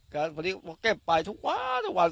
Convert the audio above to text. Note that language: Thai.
เพราะฉะนั้นพอเก็บไปทุกวันทุกวัน